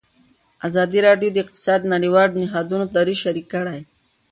ازادي راډیو د اقتصاد د نړیوالو نهادونو دریځ شریک کړی.